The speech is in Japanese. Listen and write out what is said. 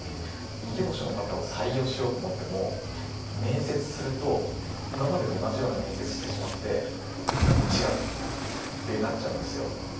異業種の方を採用しようと思っても面接すると今までと同じような面接してしまって違うってなっちゃうんですよ。